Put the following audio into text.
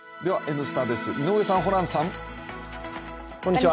「Ｎスタ」です、井上さん、ホランさん。